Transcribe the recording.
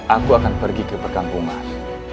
aku akan pergi ke perkampungan